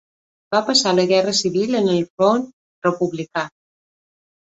Va passar la guerra civil en el front republicà.